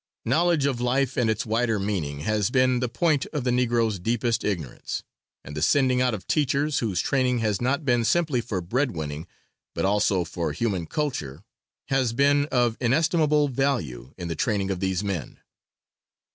Knowledge of life and its wider meaning, has been the point of the Negro's deepest ignorance, and the sending out of teachers whose training has not been simply for bread winning, but also for human culture, has been of inestimable value in the training of these men.